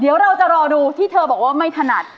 เดี๋ยวเราจะรอดูที่เธอบอกว่าไม่ถนัด